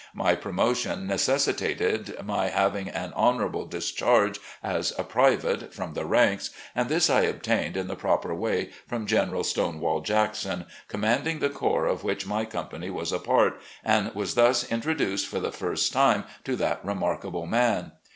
My promotion necessitated my having an honourable dis charge as a private, from the ranks, and this I obtained in the proper way from General "Stonewall" Jackson, commanding the corps of which my company was a part, and was thus introduced for the first time to that remark able man.